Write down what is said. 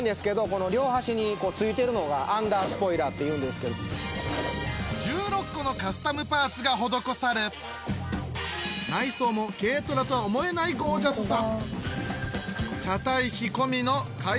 この両端に付いてるのがアンダースポイラーというんですけど１６個のカスタムパーツが施され内装も軽トラとは思えないゴージャスさ